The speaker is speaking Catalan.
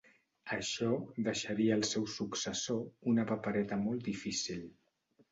Això deixaria al seu successor una papereta molt difícil.